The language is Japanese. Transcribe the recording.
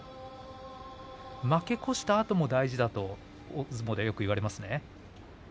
負け越したあとも大事だと大相撲でよく言われますね。